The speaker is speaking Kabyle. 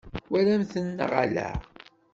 Twalam-tent neɣ ala?